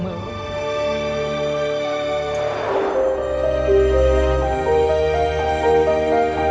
โปรดติดตามตอนต่อไป